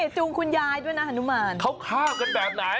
จูงคุณยายด้วยนะฮนุมานเขาข้าวกันแบบไหน